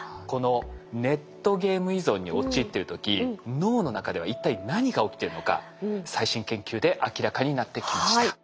このネットゲーム依存に陥ってる時脳の中では一体何が起きてるのか最新研究で明らかになってきました。